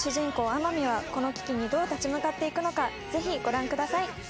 天海はこの危機にどう立ち向かっていくのかぜひご覧ください